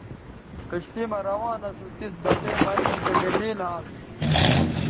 کشتئ مہ روان اسو تس بٹے مہ نِن چہء مٹھے نھال